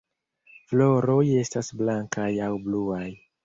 Floroj estas blankaj aŭ bluaj.